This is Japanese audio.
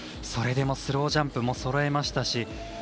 それでもスロージャンプもそろえましたし。